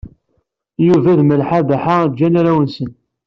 Yuba d Malḥa Baḥa jjan arraw-nsen.